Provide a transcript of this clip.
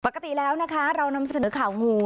ปกติแล้วนะคะเรานำเสนอข่าวงู